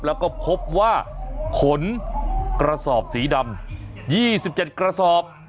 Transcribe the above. แล้วก็พบว่าขนกระสอบสีดำ๒๗กระสอบ